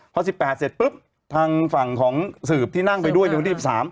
พอ๑๘เสร็จปุ๊บทางฝั่งของสืบที่นั่งไปด้วยในวันที่๑๓